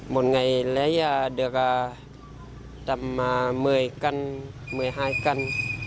một ngày lấy được tầm một mươi cân một mươi hai cân